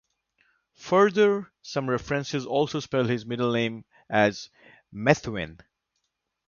Further, some references also spell his middle name as Methven.